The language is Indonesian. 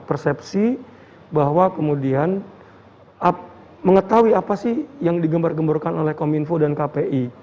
persepsi bahwa kemudian mengetahui apa sih yang digembar gemburkan oleh kominfo dan kpi